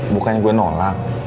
bukannya gue nolak